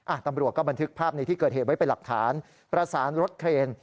ตำรวจก็บันทึกภาพในที่เกิดเหตุไว้เป็นหลักฐานประสานรถเครน